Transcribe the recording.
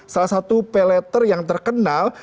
salah satu pay later yang terkenal